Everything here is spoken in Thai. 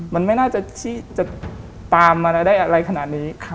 มันไม่น่าจะตามมาได้อะไรขนาดนี้